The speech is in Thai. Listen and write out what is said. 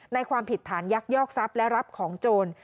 ความผิดฐานยักยอกทรัพย์และรับของโจร